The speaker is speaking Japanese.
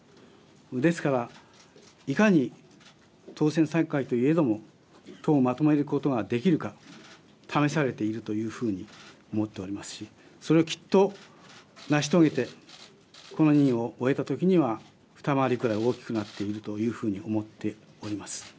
ですから、いかに当選３回といえども党をまとめることができるか試されているというふうに思っておりますしそれをきっと成し遂げてこの任を終えたときにはふた回りくらい大きくなっているというふうに思っております。